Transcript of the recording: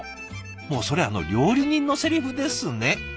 もうそれあの料理人のせりふですね。